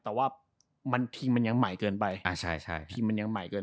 แต่ว่าทีมมันยังใหม่เกินไป